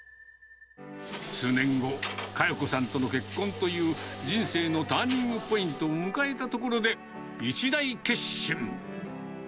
数年後、佳代子さんとの結婚という人生のターニングポイントを迎えたところで、一大決心。